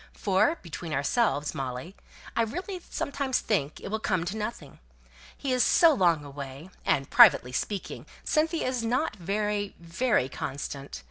For, between ourselves, Molly, I really sometimes think it will come to nothing. He is so long away, and, privately speaking, Cynthia is not very, very constant.